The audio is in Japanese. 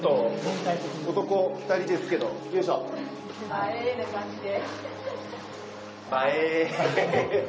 映えな感じで。